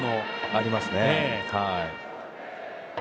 ありますね。